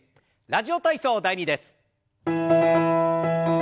「ラジオ体操第２」です。